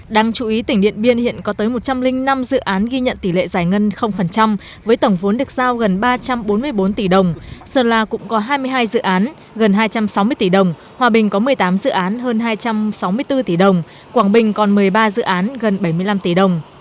đáng chú ý tỉnh điện biên hiện có tới một trăm linh năm dự án ghi nhận tỷ lệ giải ngân với tổng vốn được giao gần ba trăm bốn mươi bốn tỷ đồng sơn la cũng có hai mươi hai dự án gần hai trăm sáu mươi tỷ đồng hòa bình có một mươi tám dự án hơn hai trăm sáu mươi bốn tỷ đồng quảng bình còn một mươi ba dự án gần bảy mươi năm tỷ đồng